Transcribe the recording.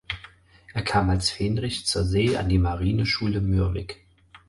Er kam als Fähnrich zur See an die Marineschule Mürwik.